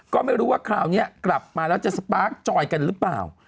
ก็ไม่รู้ว่าคราวนี้กลับมาแล้วจะสปาร์คจอยกันหรือเปล่า